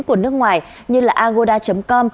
của nước ngoài như là agoda com